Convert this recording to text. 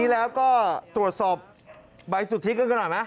มีแล้วก็ตรวจสอบใบสุทธิขึ้นขนาดนั้นนะ